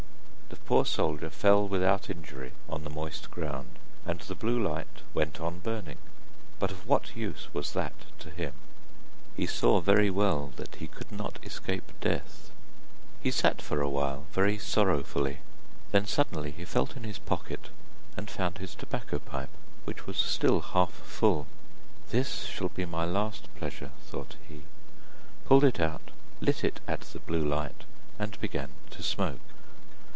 The poor soldier fell without injury on the moist ground, and the blue light went on burning, but of what use was that to him? He saw very well that he could not escape death. He sat for a while very sorrowfully, then suddenly he felt in his pocket and found his tobacco pipe, which was still half full. 'This shall be my last pleasure,' thought he, pulled it out, lit it at the blue light and began to smoke.